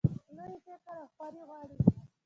لوی فکر او خواري غواړي.